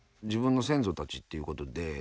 自分の先祖たちっていうことで。